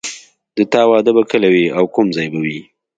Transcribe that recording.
د تا واده به کله وي او کوم ځای به وي